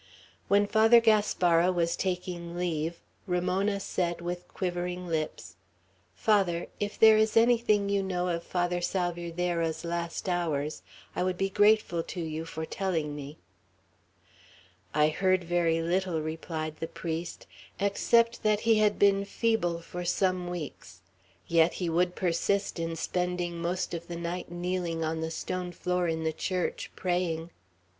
When Father Gaspara was taking leave, Ramona said, with quivering lips, "Father, if there is anything you know of Father Salvierderra's last hours, I would be grateful to you for telling me." "I heard very little," replied the Father, "except that he had been feeble for some weeks; yet he would persist in spending most of the night kneeling on the stone floor in the church, praying."